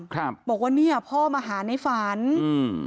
ครับบอกว่าเนี้ยพ่อมาหาในฝันอืม